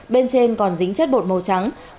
bên trên còn dính chất bột màu trắng